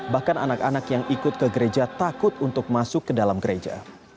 bahkan anak anak yang ikut ke gereja takut untuk masuk ke dalam gereja